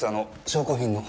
証拠品の。